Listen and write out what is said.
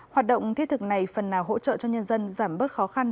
hoạt động thiết thực này phần nào hỗ trợ cho nhân dân giảm bớt khó khăn